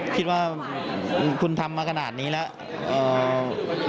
คิดว่าคุณทำมาขนาดนี้แล้ว